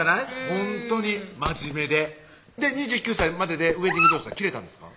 ほんとに真面目で２９歳まででウエディングドレスは着れたんですか？